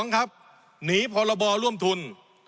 ๒หนีพรบรรล่วมทุน